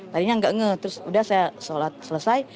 tadinya nggak nge terus udah saya sholat selesai